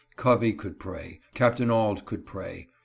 Covey could pray — Capt. Auld could pray.